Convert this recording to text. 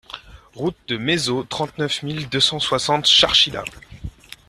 Route de Maisod, trente-neuf mille deux cent soixante Charchilla